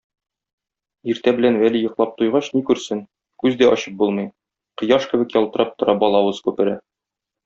Иртә белән Вәли йоклап туйгач, ни күрсен, күз дә ачып булмый: кояш кебек ялтырап тора балавыз күпере.